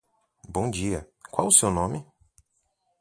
Bom dia. Qual é o seu nome?